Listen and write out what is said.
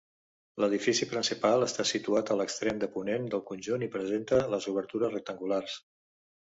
L'edifici principal està situat a l'extrem de ponent del conjunt i presenta les obertures rectangulars.